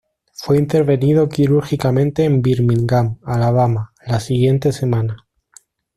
Fue intervenido quirúrgicamente en Birmingham, Alabama, la siguiente semana.